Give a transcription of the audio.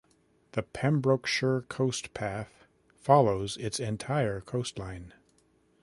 The Pembrokeshire Coast Path follows its entire coastline.